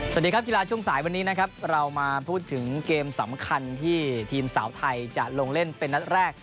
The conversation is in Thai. สวัสดีครับกีฬาช่วงสายวันนี้นะครับเรามาพูดถึงเกมสำคัญที่ทีมสาวไทยจะลงเล่นเป็นนัดแรก